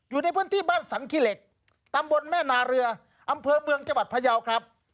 อยู่ในพื้นที่บ้านสันขี้เหล็กตำบลแม่นาเรืออำเภอเมืองจังหวัดพยาวครับ